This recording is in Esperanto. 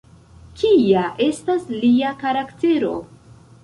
Kia estas lia karaktero?